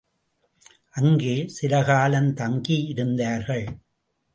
அங்கே சிலகாலம் தங்கி இருந்தார்கள்.